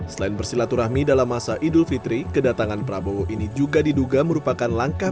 selain bersilaturahmi dalam masa idul fitri kedatangan prabowo ini juga diduga merupakan langkah